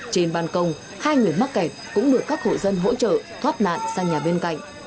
trên bàn công hai người mắc kẹt cũng được các hộ dân hỗ trợ thoát nạn sang nhà bên cạnh